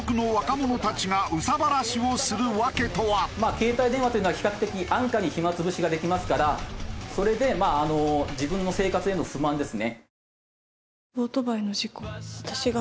携帯電話というのは比較的安価に暇潰しができますからそれで自分の生活への不満ですね。